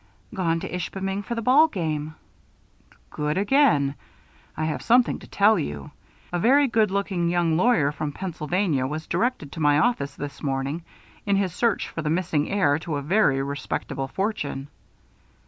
"Gone to Ishpeming for the ball game." "Good again! I have something to tell you. A very good looking young lawyer from Pennsylvania was directed to my office this morning in his search for the missing heir to a very respectable fortune."